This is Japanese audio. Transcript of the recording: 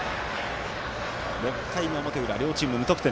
６回の表裏、両チーム無得点。